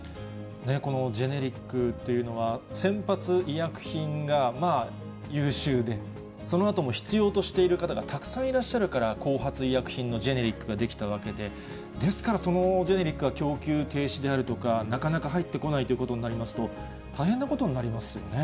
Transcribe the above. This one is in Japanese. このジェネリックというのは、先発医薬品が優秀で、そのあとも必要としている方がたくさんいらっしゃるから、後発医薬品のジェネリックが出来たわけで、ですからそのジェネリックが供給停止であるとか、なかなか入ってこないということになりますと、大変なことになりますよね。